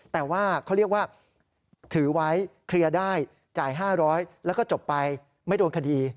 แต่ว่าเขาเรียกว่าถือไว้เคลียร์ได้จ่าย๕๐๐แล้วก็จบไปไม่โดนคดี